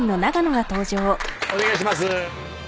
お願いします。